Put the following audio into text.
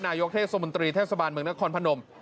นายกเทศมนตรีเทศบาลเมืองนครพนม